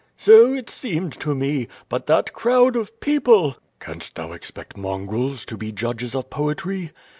'' "So it seemed to me. But that crowd of people!*' "Canst thou expect mongrels to be judges of poetry?''